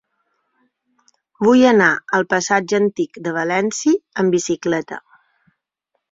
Vull anar al passatge Antic de València amb bicicleta.